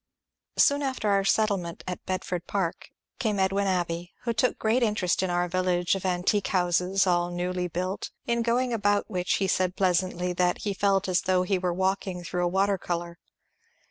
Soon after our settlement at Bedford Park came Edwin Abbey, who took great interest in our village of antique houses, all newly built, in going about which he said plea santly that he ^^ felt as though he were walking through a water colour."